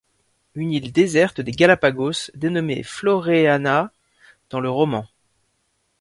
Une île déserte des Galápagos dénommée Floréana dans le roman.